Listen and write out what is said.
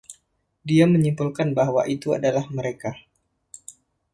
Dia menyimpulkan bahwa itu adalah mereka.